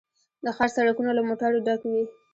د ښار سړکونه له موټرو ډک وي